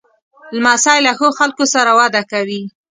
لمسی له ښو خلکو سره وده کوي.